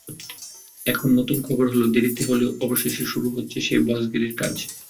এখন নতুন খবর হলো, দেরিতে হলেও অবশেষে শুরু হচ্ছে সেই বসগিরির কাজ।